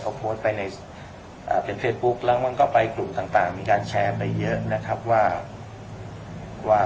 เขาโพสไปในอ่าเป็นเฟซบุ๊กแล้วมันก็ไปกลุ่มต่างต่างมีการแชร์ไปเยอะนะครับว่า